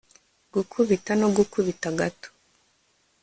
gukubita no gukubita gato